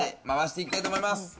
回していきたいと思います。